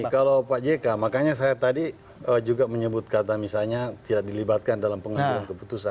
kalau pak jk makanya saya tadi juga menyebut kata misalnya tidak dilibatkan dalam pengambilan keputusan